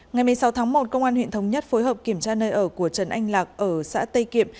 ngày một mươi sáu tháng một công an huyện thống nhất phối hợp kiểm tra nơi ở của trần anh lạc ở xã tây kiệm